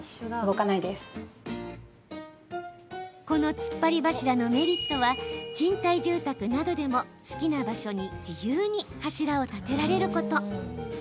このつっぱり柱のメリットは賃貸住宅などでも好きな場所に自由に柱を立てられること。